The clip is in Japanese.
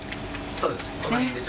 そうです。